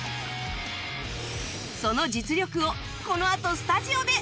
その実力をこのあとスタジオで生披露！